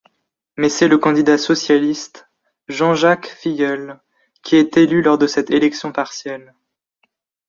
Mais c'est le candidat socialiste, Jean-Jacques Filleul, qui est élu lors cette élection partielle.